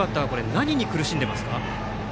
何に苦しんでいますか？